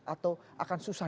atau akan susah